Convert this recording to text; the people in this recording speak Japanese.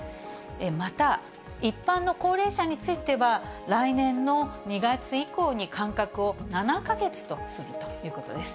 また、一般の高齢者については、来年の２月以降に間隔を７か月とするということです。